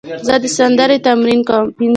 زه د سندرې تمرین کوم.